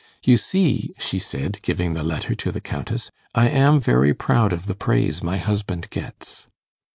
'You see,' she said, giving the letter to the Countess, 'I am very proud of the praise my husband gets.